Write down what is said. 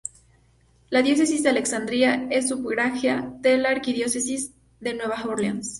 La Diócesis de Alexandria es sufragánea de la Arquidiócesis de Nueva Orleans.